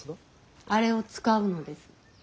あれを使うのです。